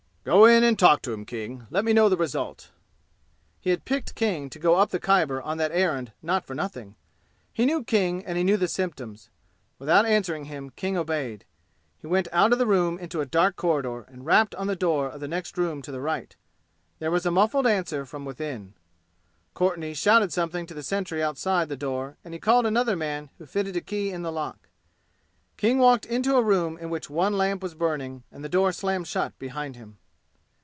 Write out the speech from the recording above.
"Go in and talk to him, King. Let me know the result." He had picked King to go up the Khyber on that errand not for nothing. He knew King and he knew the symptoms. Without answering him King obeyed. He went out of the room into a dark corridor and rapped on the door of the next room to the right. There was a muffled answer from within. Courtenay shouted something to the sentry outside the door and he called another man who fitted a key in the lock. King walked into a room in which one lamp was burning and the door slammed shut behind him.